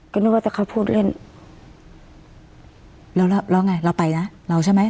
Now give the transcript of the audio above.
ก็นึกว่าจะค่อยพูดเล่นแล้วแล้วไงเราไปนะเราใช่ไหม